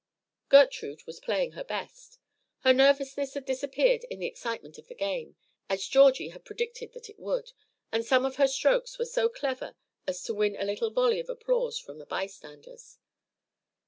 Gertrude was playing her best. Her nervousness had disappeared in the excitement of the game, as Georgie had predicted that it would, and some of her strokes were so clever as to win a little volley of applause from the by standers.